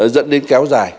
dẫn đến kéo dài